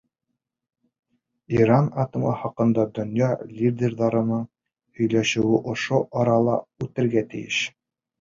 Иран атомы хаҡында донъя лидерҙарының һөйләшеүе ошо арала үтергә тейеш.